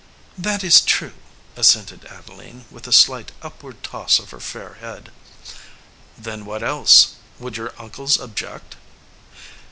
"That is true," assented Adeline, with a slight upward toss of her fair head. "Then what else? Would your uncles ob ject?"